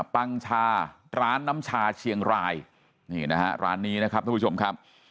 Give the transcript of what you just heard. ปังชาร้านน้ำชาเชียงรายนี่นะฮะร้านนี้นะครับทุกผู้ชมครับ